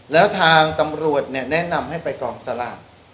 แล้วทางตำรวจแนะนำให้ไปกองสลาก